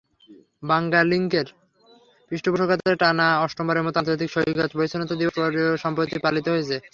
বাংলালিংকের পৃষ্ঠপোষকতায় টানা অষ্টমবারের মতো আন্তর্জাতিক সৈকত পরিচ্ছন্নতা দিবস সম্প্রতি পালিত হয়েছে।